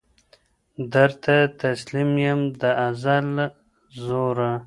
درته تسلیم یم د ازل زوره